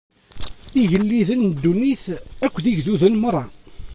Igelliden n ddunit akked yigduden merra.